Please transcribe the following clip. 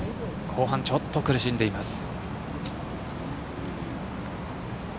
後半、ちょっと苦しんでいます。